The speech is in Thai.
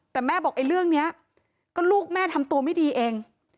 แต่แม่บอกไอ้เรื่องนี้ก็ลูกแม่ทำตัวไม่ดีเอง